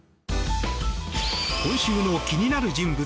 今週の気になる人物